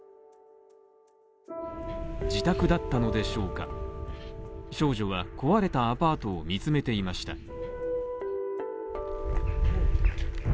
自宅だったのでしょうか、少女は壊れたアパートを見つめていました。